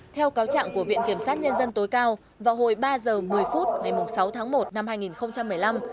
theo cáo trạng của viện kiểm sát nhân dân tối cao vào hồi ba giờ một mươi phút ngày sáu tháng một năm hai nghìn một mươi năm